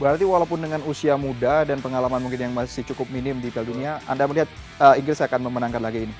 berarti walaupun dengan usia muda dan pengalaman mungkin yang masih cukup minim di piala dunia anda melihat inggris akan memenangkan laga ini